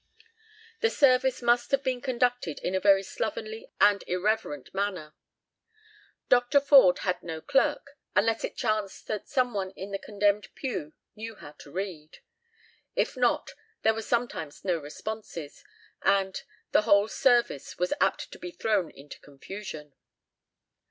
The service must have been conducted in a very slovenly and irreverent manner. Dr. Forde had no clerk, unless it chanced that some one in the condemned pew knew how to read. If not, there were sometimes no responses, and the "whole service was apt to be thrown into confusion."